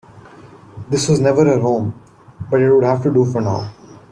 This was never her home, but it would have to do for now.